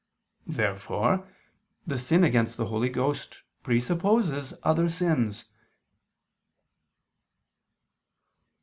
Therefore the sin against the Holy Ghost presupposes other sins.